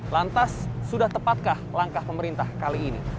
lantas sudah tepatkah langkah pemerintah kali ini